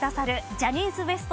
ジャニーズＷＥＳＴ